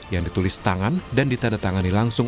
yang ditulis tangan dan ditandatangani langsung